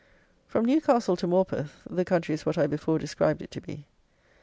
From Newcastle to Morpeth (the country is what I before described it to be).